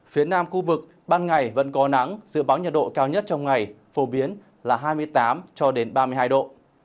phía nam khu vực ban ngày vẫn có nắng dự báo nhiệt độ cao nhất trong ngày phổ biến là hai mươi tám cho đến ba mươi hai độ